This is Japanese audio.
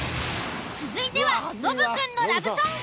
続いてはノブくんのラブソング。